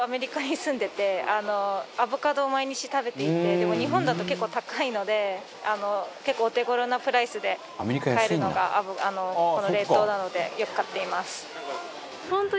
でも日本だと結構高いので結構お手頃なプライスで買えるのがこの冷凍なのでよく買っています。